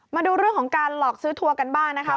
มาดูเรื่องของการหลอกซื้อทัวร์กันบ้างนะครับ